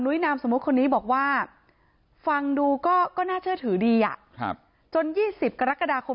เพราะไม่มีเงินไปกินหรูอยู่สบายแบบสร้างภาพ